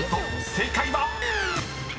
正解は⁉］